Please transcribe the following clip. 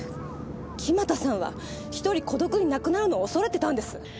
木俣さんは一人孤独に亡くなるのを恐れてたんです。